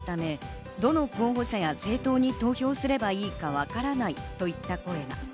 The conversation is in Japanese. ニュースを見ないため、どの候補者や政党に投票すればいいかわからないといった声が。